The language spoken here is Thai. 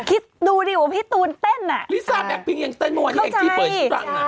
ลิซ่าแบกเพียงยังเต้นโมงอย่างที่เปิดชีวิตภัณฑ์